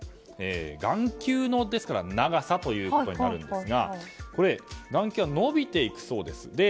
眼球の長さということになるんですがこれ、眼球が伸びていくそうです。